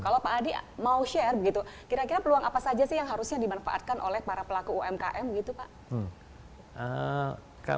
kalau pak adi mau share begitu kira kira peluang apa saja sih yang harusnya dimanfaatkan oleh para pelaku umkm gitu pak